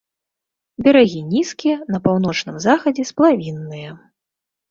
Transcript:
Берагі нізкія, на паўночным захадзе сплавінныя.